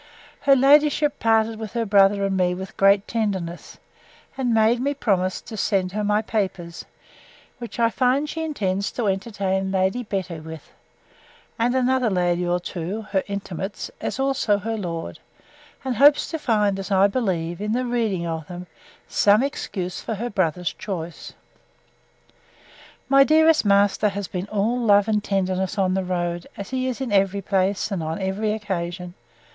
Her ladyship parted with her brother and me with great tenderness, and made me promise to send her my papers; which I find she intends to entertain Lady Betty with, and another lady or two, her intimates, as also her lord; and hopes to find, as I believe, in the reading of them, some excuse for her brother's choice. My dearest master has been all love and tenderness on the road, as he is in every place, and on every occasion.